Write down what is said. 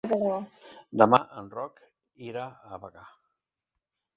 Demà en Roc irà a Bagà.